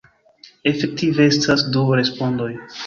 Efektive, estas du respondoj.